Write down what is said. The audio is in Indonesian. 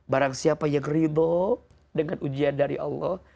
barang siapa yang ridho dengan ujian dari allah